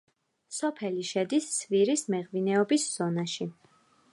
სოფელი შედის სვირის მეღვინეობის ზონაში.